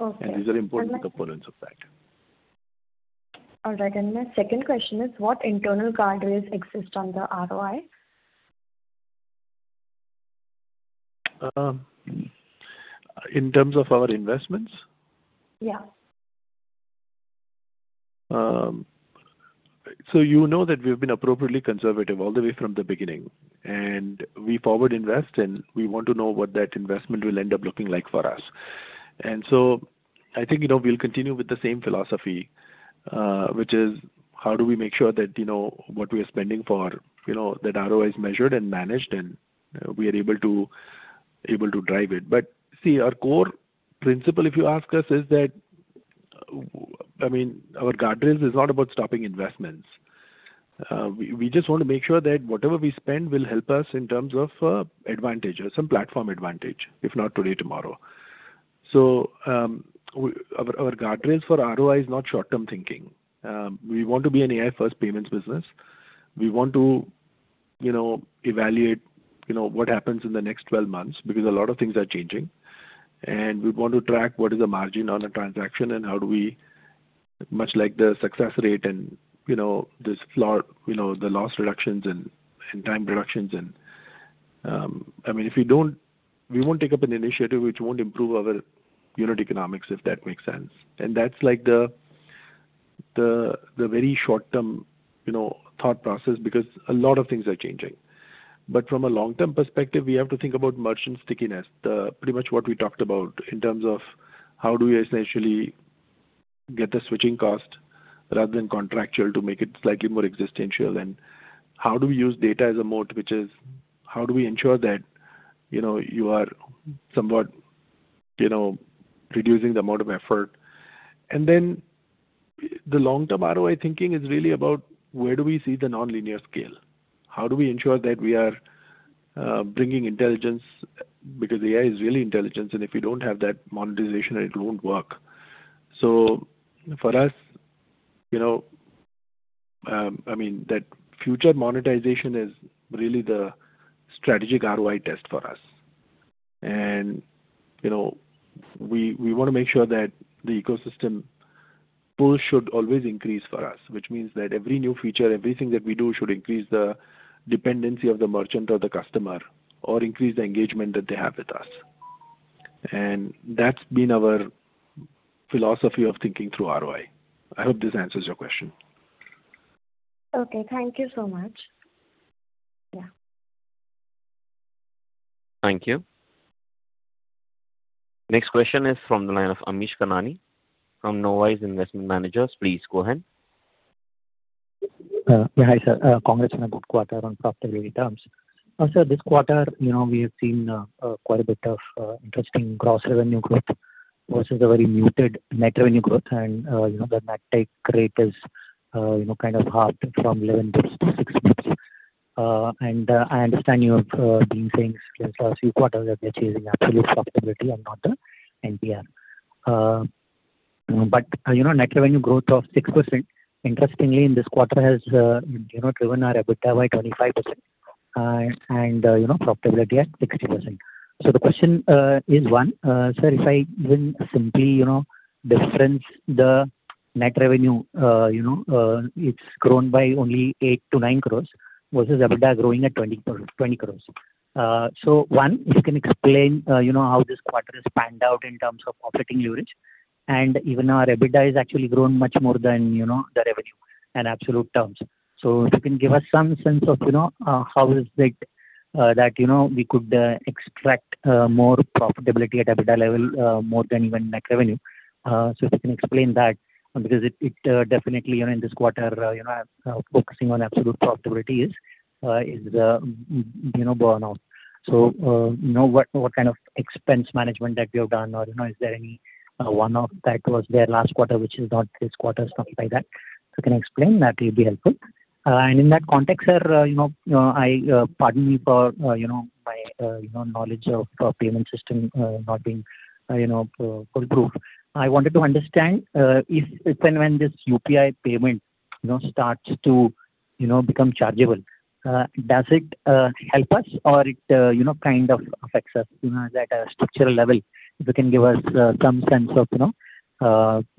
Speaker 10: Okay.
Speaker 3: These are important components of that.
Speaker 10: All right. My second question is what internal guardrails exist on the ROI?
Speaker 3: In terms of our investments?
Speaker 10: Yeah.
Speaker 3: So you know that we've been appropriately conservative all the way from the beginning, and we forward invest, and we want to know what that investment will end up looking like for us. And so I think, you know, we'll continue with the same philosophy, which is how do we make sure that, you know, what we are spending for, you know, that ROI is measured and managed, and we are able to drive it. But see, our core principle, if you ask us, is that, I mean, our guardrails is not about stopping investments. We just want to make sure that whatever we spend will help us in terms of, advantage or some platform advantage, if not today, tomorrow. So, our guardrails for ROI is not short-term thinking. We want to be an AI-first payments business. We want to, you know, evaluate, you know, what happens in the next twelve months, because a lot of things are changing, and we want to track what is the margin on a transaction and how do we. Much like the success rate and, you know, this flaw, you know, the loss reductions and, and time reductions and, I mean, if you don't. We won't take up an initiative which won't improve our unit economics, if that makes sense. And that's like the very short term, you know, thought process, because a lot of things are changing. But from a long-term perspective, we have to think about merchant stickiness. Pretty much what we talked about in terms of how do we essentially get the switching cost rather than contractual to make it slightly more existential, and how do we use data as a moat, which is how do we ensure that, you know, you are somewhat, you know, reducing the amount of effort? And then the long-term ROI thinking is really about where do we see the nonlinear scale? How do we ensure that we are, bringing intelligence? Because AI is really intelligence, and if you don't have that monetization, it won't work. So for us, you know, I mean, that future monetization is really the strategic ROI test for us. And, you know, we want to make sure that the ecosystem pull should always increase for us, which means that every new feature, everything that we do, should increase the dependency of the merchant or the customer, or increase the engagement that they have with us. And that's been our philosophy of thinking through ROI. I hope this answers your question.
Speaker 10: Okay, thank you so much. Yeah.
Speaker 1: Thank you. Next question is from the line of Amish Kanani from Knowise Investment Managers. Please go ahead.
Speaker 11: Yeah, hi, sir. Congratulations on a good quarter on profitability terms. So this quarter, you know, we have seen quite a bit of interesting gross revenue growth versus a very muted net revenue growth. And, you know, the net take rate is, you know, kind of half from 11 basis to 6 basis. And, I understand you have been saying this for the last few quarters, that we are chasing absolute profitability and not the NPR. But, you know, net revenue growth of 6%, interestingly, in this quarter has, you know, driven our EBITDA by 25%, and, you know, profitability at 60%. So the question is one sir, if I even simply you know, difference the net revenue you know, it's grown by only 8 crore-9 crore versus EBITDA growing at 20 crore, 20 crores. So, one, if you can explain, you know, how this quarter has panned out in terms of operating leverage, and even our EBITDA has actually grown much more than, you know, the revenue in absolute terms. So if you can give us some sense of, you know, how is it that, you know, we could extract more profitability at EBITDA level, more than even net revenue? So if you can explain that, because it definitely, you know, in this quarter you know, focusing on absolute profitability is born out. So, you know, what kind of expense management that we have done or, you know, is there any one-off that was there last quarter, which is not this quarter, something like that? So if you can explain, that will be helpful. And in that context, sir, you know, I Pardon me for, you know, my, you know, knowledge of payment system not being, you know, foolproof. I wanted to understand if and when this UPI payment, you know, starts to become chargeable, does it help us or it, you know, kind of affects us, you know, at a structural level? If you can give us some sense of, you know,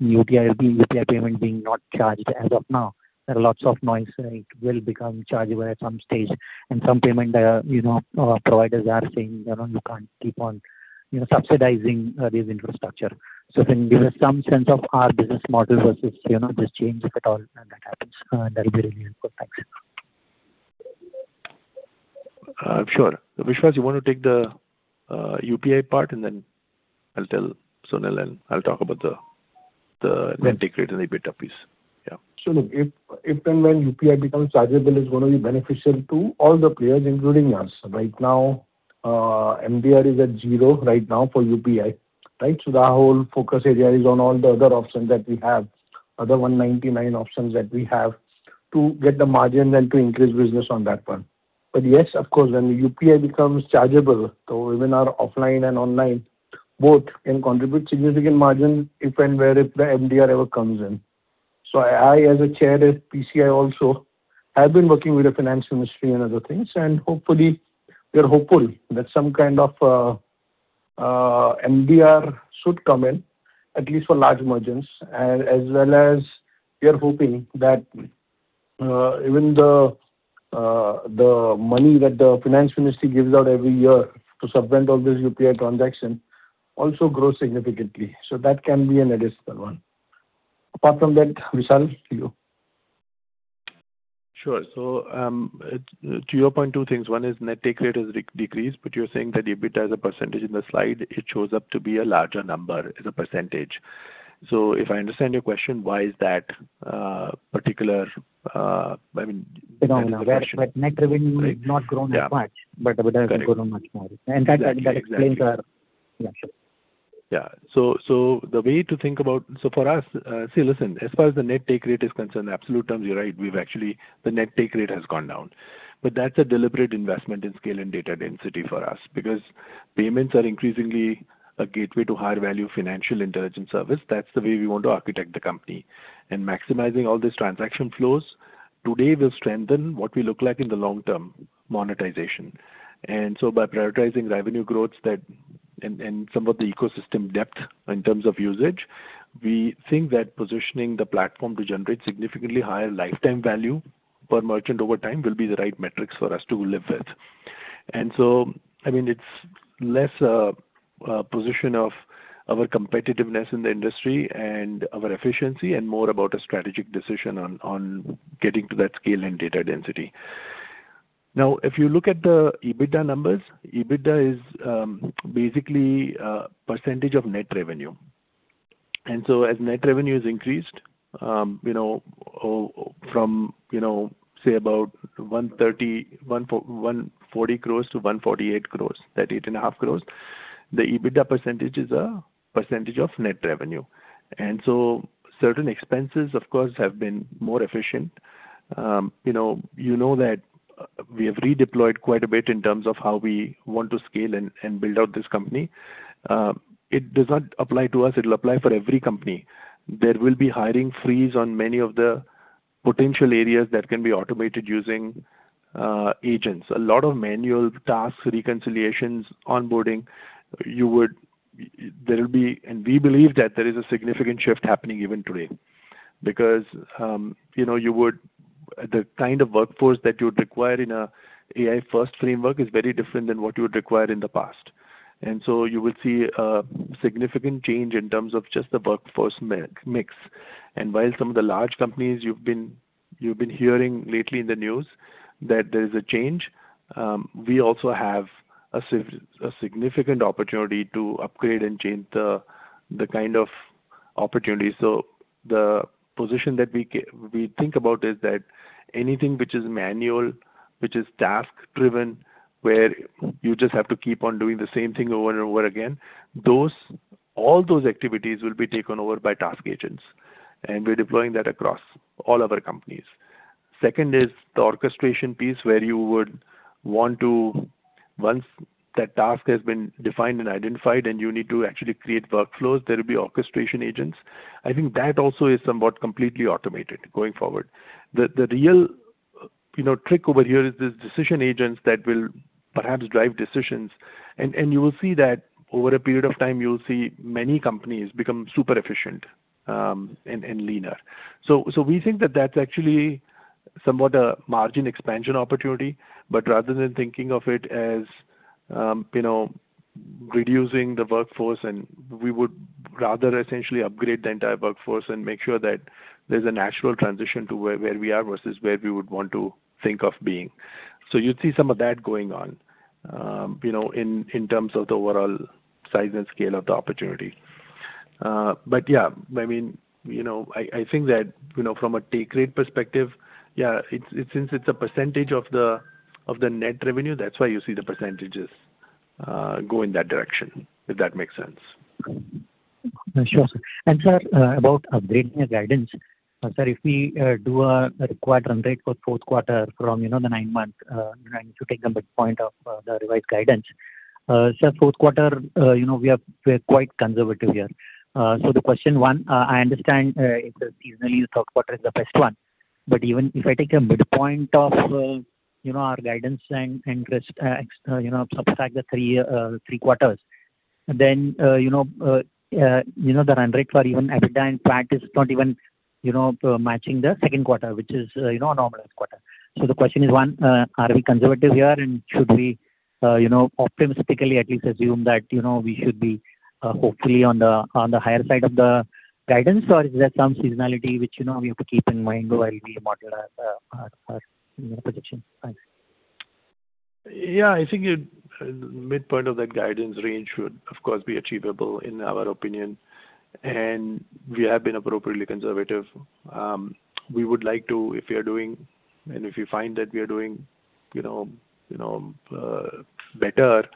Speaker 11: UPI payment being not charged as of now. There are lots of noise that it will become chargeable at some stage, and some payment, you know, providers are saying, you know, you can't keep on, you know, subsidizing, this infrastructure. So can you give us some sense of how business model versus, you know, this change, if at all, when that happens? That'll be really helpful. Thanks.
Speaker 3: Sure. Vishwas, you want to take the UPI part, and then I'll tell Sunil, and I'll talk about the net take rate and EBITDA piece. Yeah.
Speaker 4: Sunil, if, if and when UPI becomes chargeable, it's gonna be beneficial to all the players, including us. Right now, MDR is at zero right now for UPI, right? So our whole focus area is on all the other options that we have, other 199 options that we have, to get the margin and to increase business on that one. But yes, of course, when the UPI becomes chargeable, so even our offline and online both can contribute significant margin if and where if the MDR ever comes in. So I, as a chair at PCI also, have been working with the Finance Ministry and other things, and hopefully. We are hopeful that some kind of, MDR should come in, at least for large merchants. As well as we are hoping that even the money that the Finance Ministry gives out every year to subsidize all these UPI transactions also grows significantly. So that can be an additional one. Apart from that, Vishal, to you.
Speaker 3: Sure. So, to your point, two things. One is net take rate has decreased, but you're saying that EBITDA as a percentage in the slide, it shows up to be a larger number as a percentage. So if I understand your question, why is that particular, I mean.
Speaker 11: Phenomena, where net revenue-
Speaker 3: Right.
Speaker 11: has not grown that much.
Speaker 3: Yeah.
Speaker 11: but EBITDA has grown much more.
Speaker 3: Exactly.
Speaker 11: And that explains our, yeah.
Speaker 3: Yeah. So, so the way to think about. So for us, see, listen, as far as the net take rate is concerned, absolute terms, you're right, we've actually. The net take rate has gone down. But that's a deliberate investment in scale and data density for us, because payments are increasingly a gateway to higher value financial intelligence service. That's the way we want to architect the company. And maximizing all these transaction flows today will strengthen what we look like in the long-term monetization. And so by prioritizing revenue growth that, and, and some of the ecosystem depth in terms of usage, we think that positioning the platform to generate significantly higher lifetime value per merchant over time will be the right metrics for us to live with. I mean, it's less a position of our competitiveness in the industry and our efficiency, and more about a strategic decision on getting to that scale and data density. Now, if you look at the EBITDA numbers, EBITDA is basically a percentage of net revenue. And so as net revenue has increased, you know, from, you know, say about 130 crores-140 crores to 148 crores, that 8.5 crores, the EBITDA percentage is a percentage of net revenue. And so certain expenses, of course, have been more efficient. You know, you know that we have redeployed quite a bit in terms of how we want to scale and build out this company. It does not apply to us. It will apply for every company. There will be hiring freeze on many of the potential areas that can be automated using agents. A lot of manual tasks, reconciliations, onboarding, there will be. And we believe that there is a significant shift happening even today. Because, you know, the kind of workforce that you would require in a AI-first framework is very different than what you would require in the past. And so you will see a significant change in terms of just the workforce mix. And while some of the large companies you've been hearing lately in the news that there's a change, we also have a significant opportunity to upgrade and change the kind of opportunities. So the position that we think about is that anything which is manual, which is task-driven, where you just have to keep on doing the same thing over and over again, all those activities will be taken over by task agents, and we're deploying that across all our companies. Second is the orchestration piece, where you would want to. Once that task has been defined and identified and you need to actually create workflows, there will be orchestration agents. I think that also is somewhat completely automated going forward. The real you know, trick over here is the decision agents that will perhaps drive decisions. And you will see that over a period of time, you'll see many companies become super efficient, and leaner. So, so we think that that's actually somewhat a margin expansion opportunity, but rather than thinking of it as, you know, reducing the workforce, and we would rather essentially upgrade the entire workforce and make sure that there's a natural transition to where, where we are versus where we would want to think of being. So you'd see some of that going on, you know, in in terms of the overall size and scale of the opportunity. But yeah, I mean, you know, I, I think that, you know, from a take rate perspective, yeah, it's, since it's a percentage of the, of the net revenue, that's why you see the percentages go in that direction, if that makes sense.
Speaker 11: Sure, sir. And sir, about upgrading the guidance, sir, if we do a required run rate for fourth quarter from, you know, the nine-month, trying to take them midpoint of the revised guidance. So fourth quarter, you know, we're quite conservative here. So the question one, I understand, if seasonally the third quarter is the best one. But even if I take a midpoint of, you know, our guidance and risk, you know, subtract the three quarters, then, you know, the run rate for even EBITDA in fact is not even, you know, matching the second quarter, which is, you know, a normal quarter. The question is, one, are we conservative here and should we, you know, optimistically at least assume that, you know, we should be hopefully on the higher side of the guidance? Or is there some seasonality which, you know, we have to keep in mind while we model our projection? Thanks.
Speaker 3: Yeah, I think it, midpoint of that guidance range should, of course, be achievable in our opinion, and we have been appropriately conservative. We would like to, if we are doing, and if we find that we are doing, you know, you know, better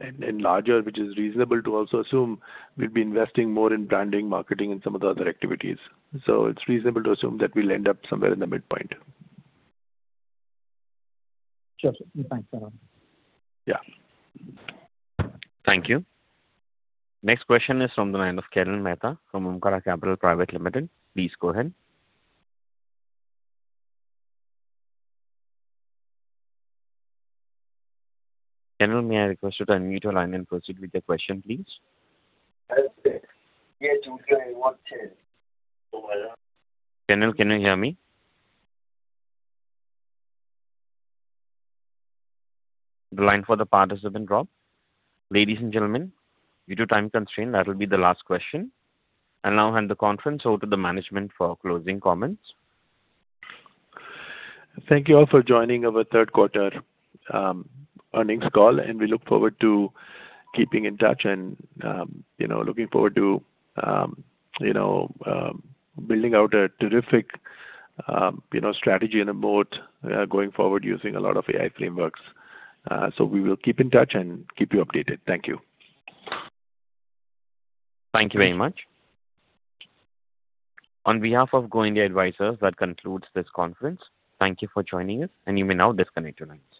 Speaker 3: and, and larger, which is reasonable to also assume, we'll be investing more in branding, marketing, and some of the other activities. So it's reasonable to assume that we'll end up somewhere in the midpoint.
Speaker 11: Sure, sir. Thanks a lot.
Speaker 3: Yeah.
Speaker 1: Thank you. Next question is from the line of Karan Mehta from Omkara Capital Private Limited. Please go ahead. Karan, may I request you to unmute your line and proceed with the question, please? Karan, can you hear me? The line for the participant dropped. Ladies and gentlemen, due to time constraint, that will be the last question. I'll now hand the conference over to the management for closing comments.
Speaker 3: Thank you all for joining our third quarter earnings call, and we look forward to keeping in touch and, you know, looking forward to, you know, building out a terrific, you know, strategy and a moat going forward using a lot of AI frameworks. So we will keep in touch and keep you updated. Thank you.
Speaker 1: Thank you very much. On behalf of Go India Advisors, that concludes this conference. Thank you for joining us, and you may now disconnect your lines.